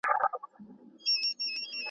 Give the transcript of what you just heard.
د نورو ټولنو په اړه هم معلومات ترلاسه کوو.